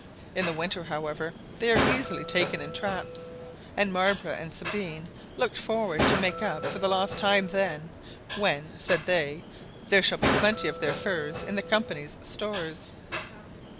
In the winter, however, they are easily taken in traps, and Marbre and Sabine looked forward to make up for lost time then, when, said they, "there shall be plenty of their furs in the Company's stores."